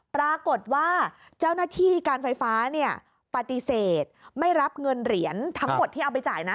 ปรากฏว่าเจ้าหน้าที่การไฟฟ้าเนี่ยปฏิเสธไม่รับเงินเหรียญทั้งหมดที่เอาไปจ่ายนะ